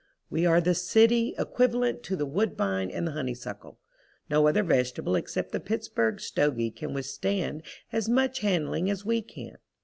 We are the city equivalent to the woodbine and the honeysuckle. No other vegetable except the Pittsburg stogie can withstand as much handling as we can.